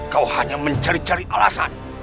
kau hanya mencari cari alasan